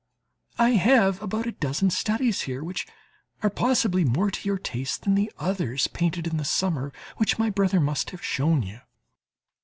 I still have about a dozen studies here, which are possibly more to your taste than the others painted in the summer, which my brother must have shown you.